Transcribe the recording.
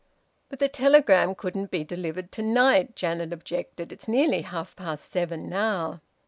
"But the telegram couldn't be delivered to night," Janet objected. "It's nearly half past seven now."